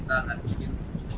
dan sekarang kita akan bikin